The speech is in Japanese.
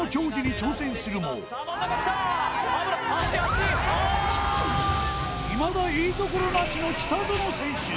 いまだいいところなしの北園選手